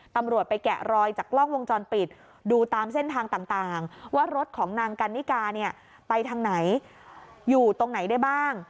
ตำรวจไปแกะรอยจากกล้องวงจรปิดดูตามเส้นทางต่างว่ารถของนางกันนิกาเนี่ยไปทางไหนอยู่ตรงไหนได้บ้าง